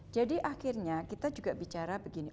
jadi akhirnya kita juga bicara begini